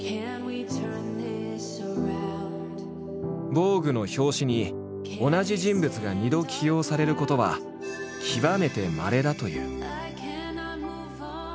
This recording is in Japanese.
「ＶＯＧＵＥ」の表紙に同じ人物が２度起用されることは極めてまれだという。